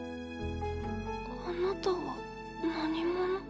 あなたは何者？